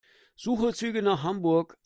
Suche Züge nach Hamburg.